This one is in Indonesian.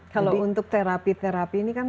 kalau untuk terapi terapi ini kan